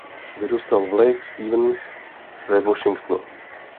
Vyrůstal v Lake Stevens ve Washingtonu.